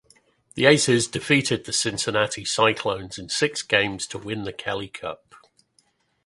The Aces defeated the Cincinnati Cyclones in six games to win the Kelly Cup.